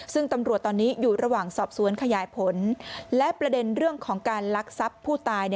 ซึ่งตำรวจตอนนี้อยู่ระหว่างสอบสวนขยายผลและประเด็นเรื่องของการลักทรัพย์ผู้ตาย